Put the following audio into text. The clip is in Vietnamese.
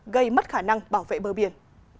gây mất khả năng bảo vệ bờ biển